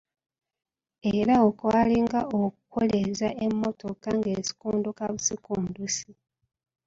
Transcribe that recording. Era okwalinga okukoleeza emmotoka ng’esikondoka busikondosi.